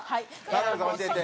田辺さん教えて。